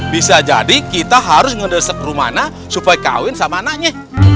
bisa jadi kita harus ngedesak rumahnya supaya kawin sama anaknya